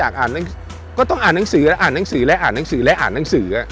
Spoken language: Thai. ก็ต้องอ่านหนังสือและอ่านหนังสือและอ่านหนังสือและอ่านหนังสือ